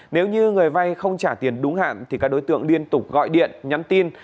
nếu như người vay không trả tiền đúng hạn thì các đối tượng liên tục gọi điện nhắn tin